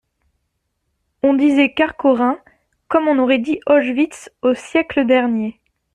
On disait Kharkhorin comme on aurait dit Auschwitz au siècle dernier